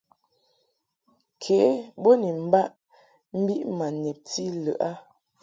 Ke bo ni mbaʼ mbiʼ ma nebti lɨʼ a.